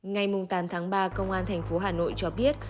ngày tám tháng ba công an thành phố hà nội cho biết